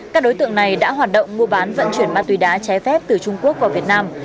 các đối tượng này đã hoạt động mua bán vận chuyển ma túy đá trái phép từ trung quốc vào việt nam